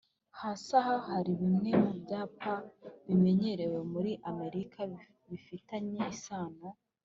Hasi aha hari bimwe mu byapa bimenyerewe muri amerika bifitanye isano